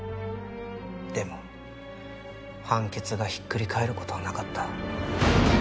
でも判決がひっくり返る事はなかった。